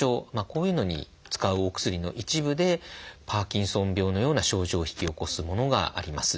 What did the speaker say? こういうのに使うお薬の一部でパーキンソン病のような症状を引き起こすものがあります。